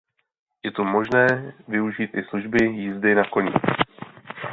Je tu možné využít i služby jízdy na koních.